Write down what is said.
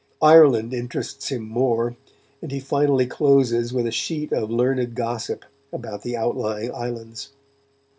Ireland interests him more, and he finally closes with a sheet of learned gossip about the outlying islands.